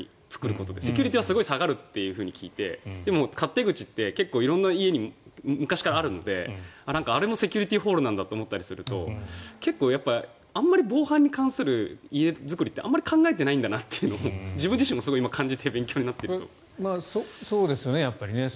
セキュリティーはすごい下がると聞いてでも勝手口って色んな家に昔からあるのであれもセキュリティーホールなんだと思ったりするとあまり防犯に関する家作りってあまり考えていないんだなと自分自身も感じてそうですよね、やっぱり。